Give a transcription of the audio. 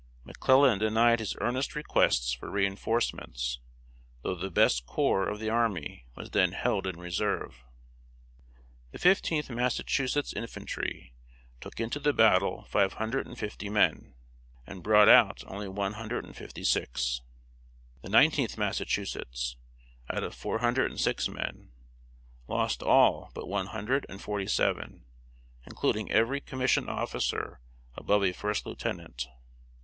McClellan denied his earnest requests for re enforcements, though the best corps of the army was then held in reserve. The Fifteenth Massachusetts Infantry took into the battle five hundred and fifty men, and brought out only one hundred and fifty six. The Nineteenth Massachusetts, out of four hundred and six men, lost all but one hundred and forty seven, including every commissioned officer above a first lieutenant.